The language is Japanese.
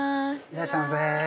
いらっしゃいませ。